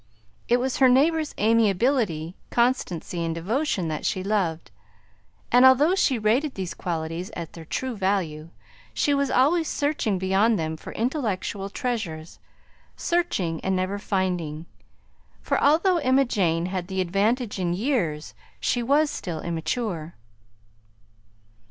It was her neighbor's amiability, constancy, and devotion that she loved, and although she rated these qualities at their true value, she was always searching beyond them for intellectual treasures; searching and never finding, for although Emma Jane had the advantage in years she was still immature.